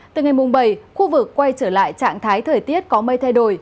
từ ngày mùng bảy khu vực quay trở lại trạng thái thời tiết có mây thay đổi